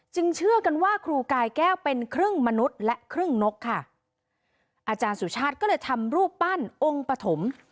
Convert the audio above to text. เชื่อกันว่าครูกายแก้วเป็นครึ่งมนุษย์และครึ่งนกค่ะอาจารย์สุชาติก็เลยทำรูปปั้นองค์ปฐม